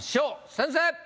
先生！